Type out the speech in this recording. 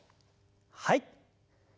はい。